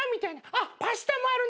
あっパスタもあるんだ。